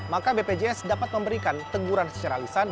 maka bpjs dapat memberikan teguran secara lisan